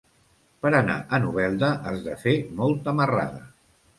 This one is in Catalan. Per anar a Novelda has de fer molta marrada.